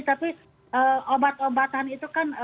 tapi obat obatan itu kan